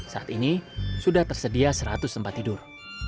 saat ini sudah tersedia seratus tempat tidur